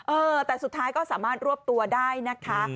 เออแต่สุดท้ายก็สามารถรวบตัวได้นะคะ